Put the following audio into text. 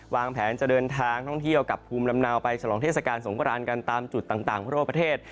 วางแผนจะเดินทางท่องเที่ยวกับภูมิลำเนาไปฉลองเทศกาลสงครานกันตามจุดต่างทั่วประเทศ